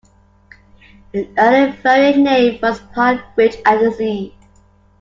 An early variant name was Pine Ridge Agency.